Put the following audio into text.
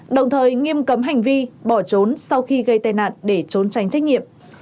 đồng thời nghiêm cấm hành vi bỏ trốn sau khi gây tai nạn để trốn tránh trách nhiệm